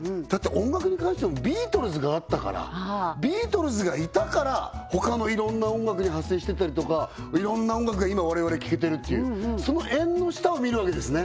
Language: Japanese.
音楽に関してもビートルズがあったからビートルズがいたから他のいろんな音楽に派生してたりとかいろんな音楽が今我々聴けてるっていうそのえんの下を見るわけですね